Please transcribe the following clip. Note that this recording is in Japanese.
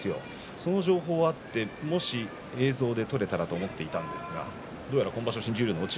その情報があってもしその映像が撮れたらと思っていたんですがどうやら今場所